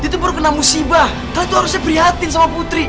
dia tuh baru kena musibah kalian tuh harusnya perihatin sama putri